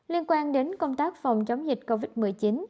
liên quan đến công tác phòng chống dịch covid một mươi chín